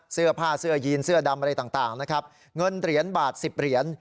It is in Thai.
เสื้อผ้าเสื้อยีนเสื้อดำอะไรต่างนะครับเงินเหรียญบาท๑๐เหรียญ